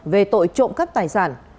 về tội trộm cấp tài sản